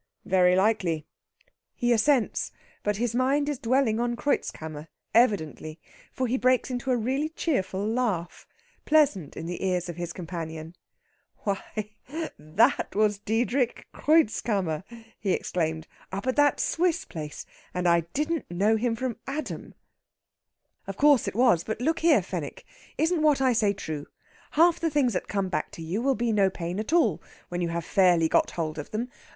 "Very likely." He assents, but his mind is dwelling on Kreutzkammer, evidently. For he breaks into a really cheerful laugh, pleasant in the ears of his companion. "Why, that was Diedrich Kreutzkammer!" he exclaims, "up at that Swiss place. And I didn't know him from Adam!" "Of course it was. But look here, Fenwick isn't what I say true? Half the things that come back to you will be no pain at all when you have fairly got hold of them.